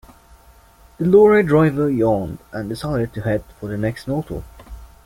The lorry driver yawned and decided to head for the next motel.